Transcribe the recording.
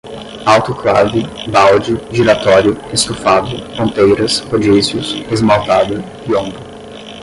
autoclave, balde, giratório, estofado, ponteiras, rodízios, esmaltada, biombo